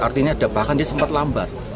artinya ada bahkan dia sempat lambat